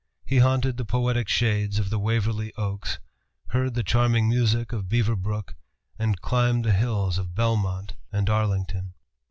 He haunted the poetic shades of the Waverley Oaks, heard the charming music of Beaver Brook, and climbed the hills of Belmont and Arlington.